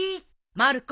まる子！